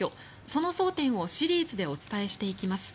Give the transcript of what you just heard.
その争点をシリーズでお伝えしていきます。